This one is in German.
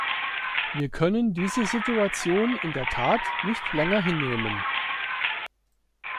Wir können diese Situation in der Tat nicht länger hinnehmen.